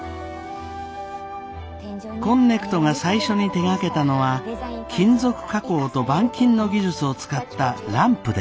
こんねくとが最初に手がけたのは金属加工と板金の技術を使ったランプです。